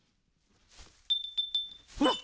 ほら！